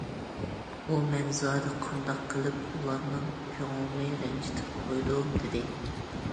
ئۇ:« مەن زادى قانداق قىلىپ ئۇلارنىڭ كۆڭلىنى رەنجىتىپ قويدۇم؟» دېدى.